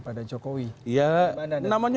pak danjokowi ya namanya